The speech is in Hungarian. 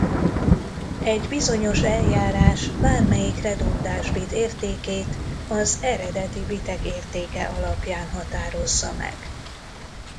Egy bizonyos eljárás bármelyik redundáns bit értékét az eredeti bitek értéke alapján határozza meg.